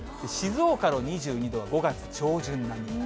静岡の２２度は５月上旬並み。